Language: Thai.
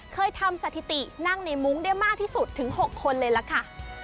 เคยทำสถิตินั่งในมุ้งได้มากที่สุดถึง๖คนเลยล่ะค่ะ